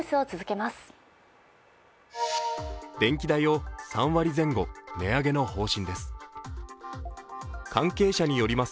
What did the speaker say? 電気代を３割前後値上げの方針です。